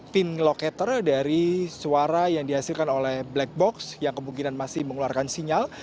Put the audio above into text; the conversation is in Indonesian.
pin locator dari suara yang dihasilkan oleh black box yang kemungkinan masih mengeluarkan sinyal